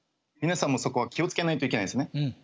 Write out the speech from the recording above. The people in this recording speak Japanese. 皆さんもそこは気を付けないといけないですね。